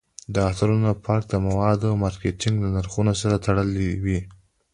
د عطرونو فرق د موادو او مارکیټ له نرخونو سره تړلی وي